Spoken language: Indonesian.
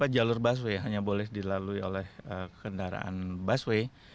jalur busway hanya boleh dilalui oleh kendaraan busway